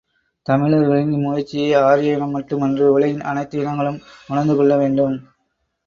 தமிழர்களின் இம்முயற்சியை ஆரிய இனம் மட்டுமன்று, உலகின் அனைத்து இனங்களும் உணர்ந்துகொள்ள வேண்டும்.